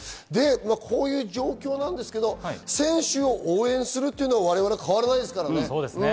こういう状況ですが、選手を応援するというのは我々、変わらないですからね。